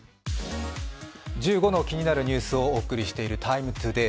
１５の気になるニュースをお送りしている「ＴＩＭＥ，ＴＯＤＡＹ」。